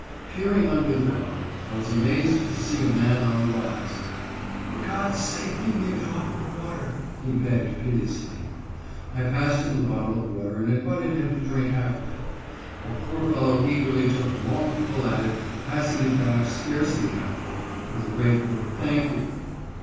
Peering under the car, I was amazed to see a man on the rods. "For God's sake give me a drop of water," he begged piteously. I passed him the bottle of water, and invited him to drink half of it. The poor fellow eagerly took a long pull at it, passing it back scarcely half full, with a grateful "Thank you."